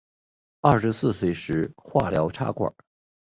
二十四岁时化疗插管